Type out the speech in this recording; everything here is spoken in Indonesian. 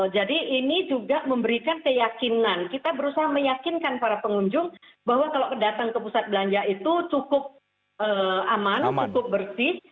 jadi ini juga memberikan keyakinan kita berusaha meyakinkan para pengunjung bahwa kalau datang ke pusat belanja itu cukup aman cukup bersih